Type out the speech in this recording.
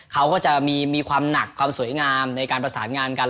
เขาก็จะมีความหนักความสวยงามในการประสานงานกัน